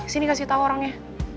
sini kasih tau orangnya